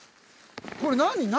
これ何？